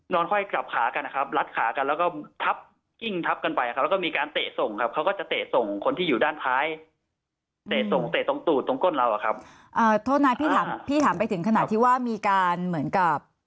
นอนไขว้กลับขากันนะครับลัดขากันแล้วก็ทับ